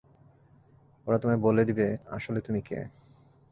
ওরা তোমায় বলে দিবে আসলে তুমি কে।